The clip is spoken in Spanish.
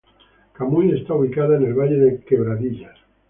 Camuy está ubicado en el Valle de Quebradillas.